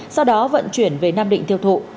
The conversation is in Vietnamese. sau đó vận chuyển về nam định tiêu thụ